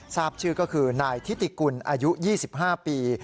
ทราบชื่อก็คือนายทิติกุลอายุ๒๕ปี